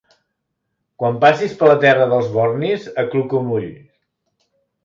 Quan passis per la terra dels bornis, acluca un ull.